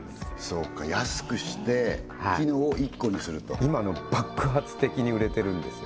そうか安くして機能を１個にすると今爆発的に売れてるんですよ